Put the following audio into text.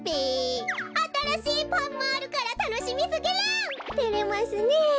あたらしいパンもあるからたのしみすぎる！